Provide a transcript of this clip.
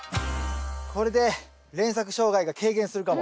これで連作障害が軽減するかも。